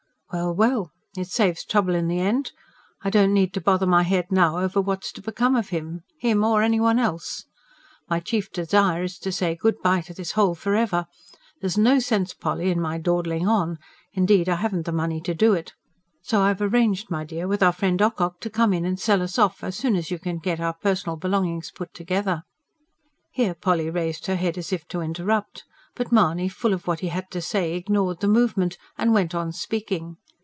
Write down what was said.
Well, well! it saves trouble in the end. I don't need to bother my head now over what's to become of him ... him or anyone else. My chief desire is to say good bye to this hole for ever. There's no sense, Polly, in my dawdling on. Indeed, I haven't the money to do it. So I've arranged, my dear, with our friend Ocock to come in and sell us off, as soon as you can get our personal belongings put together." Here Polly raised her head as if to interrupt; but Mahony, full of what he had to say, ignored the movement, and went on speaking.